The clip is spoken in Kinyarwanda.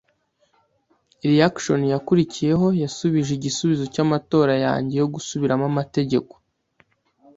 reaction yakurikiyeho yasubije igisubizo cyamatora yanjye yo Gusubiramo Amategeko.